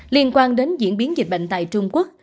liên quan đến diễn biến dịch bệnh tại trung quốc